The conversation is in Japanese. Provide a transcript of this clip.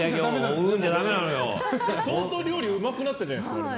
相当、料理うまくなったじゃないですか。